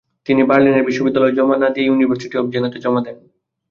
তিনি বার্লিনের বিশ্ববিদ্যালয়ে জমা না দিয়ে ইউনিভার্সিটি অফ জেনা-তে জমা দেন।